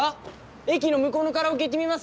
駅の向こうのカラオケ行ってみます？